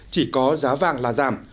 chỉ có giá vàng là giảm